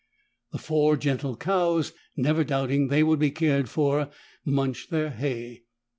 The four gentle cows, never doubting that they would be cared for, munched their hay.